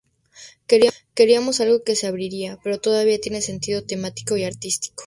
Queríamos algo que se abrirá, pero todavía tiene sentido temático y artístico.